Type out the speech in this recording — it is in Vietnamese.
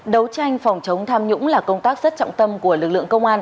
đấu tranh phòng chống tham nhũng là công tác rất trọng